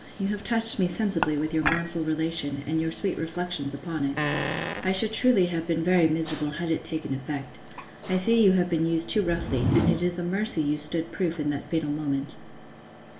you have touched me sensibly with your mournful relation, and your sweet reflections upon it. I should truly have been very miserable had it taken effect. I see you have been used too roughly; and it is a mercy you stood proof in that fatal moment.